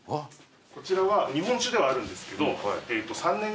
こちらは日本酒ではあるんですけど。